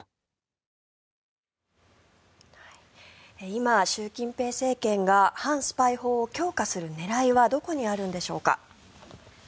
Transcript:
今、習近平政権が反スパイ法を強化する狙いはどこにあるんでしょうか。